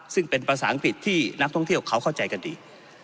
ซึ่งเป็นภาษาอังกฤษที่นักท่องเที่ยวเขาเข้าใจกันดี